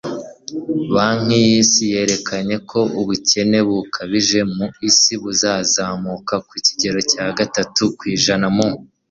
banki y'isi yerekana ko ubukene bukabije mu isi buzazamuka ku kigero cya gatatu kw'ijana mu